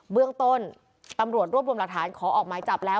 เบื้องต้นตำรวจรวมรัฐานขอออกไม้จับแล้ว